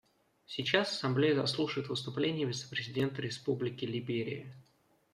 Сейчас Ассамблея заслушает выступление вице-президента Республики Либерия.